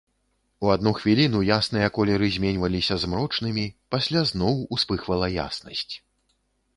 У адну хвіліну ясныя колеры зменьваліся змрочнымі, пасля зноў успыхвала яснасць.